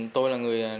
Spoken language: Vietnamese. tôi là người